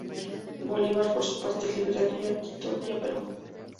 Bolívar por su parte liberaría a Quito y a Perú.